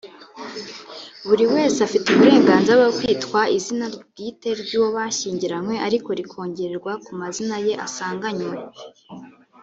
buri wese afite uburenganzira bwo kwitwa izina bwite ry’uwo bashyingiranywe ariko rikongerwa ku mazina ye asanganywe